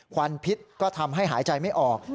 วันพิษก็ทำให้หายใจไม่ออก